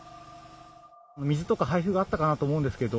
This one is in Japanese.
水とか配布があったかなと思うんですけど。